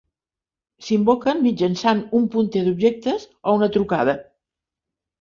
S'invoquen mitjançant un punter d'objectes o una trucada.